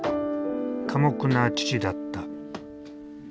寡黙な父だった。